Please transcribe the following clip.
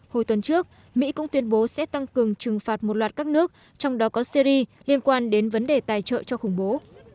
hồi tuần trước mỹ cũng tuyên bố sẽ tăng cường trừng phạt một loạt các nước trong đó có syri liên quan đến vấn đề tài trợ cho khủng bố